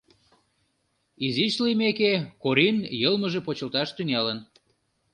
Изиш лиймеке, Корин йылмыже почылташ тӱҥалын.